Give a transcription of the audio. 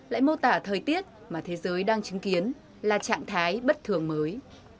lại mô tả thời tiết mà thế giới đang chứng kiến là trạng thái bất thường mới